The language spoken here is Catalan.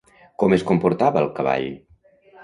Com es comportava el cavall?